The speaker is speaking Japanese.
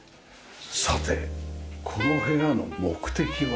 さてこの部屋の目的は？